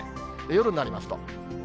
夜になりますと。